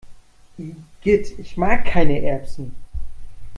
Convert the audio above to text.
Igitt, ich mag keine Erbsen!